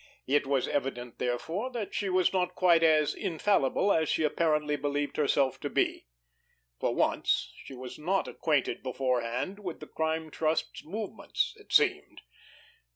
It was evident, therefore, that she was not quite as infallible as she apparently believed herself to be! For once, she was not acquainted beforehand with the Crime Trust's movements, it seemed!